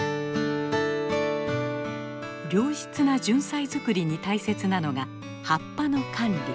良質なジュンサイ作りに大切なのが葉っぱの管理。